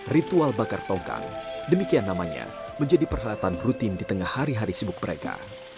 ritual bakar tongkang demikian namanya menjadi perhelatan rutin di tengah hari hari sibuk mereka